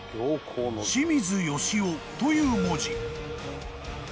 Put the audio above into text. ［清水良雄という文字］